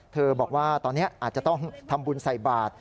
บอกว่าตอนนี้อาจจะต้องทำบุญใส่บาท